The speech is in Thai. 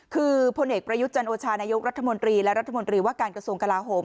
คือพลเอกประยุทธ์จันโอชานายกรัฐมนตรีและรัฐมนตรีว่าการกระทรวงกลาโหม